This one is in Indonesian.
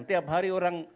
tiap hari orang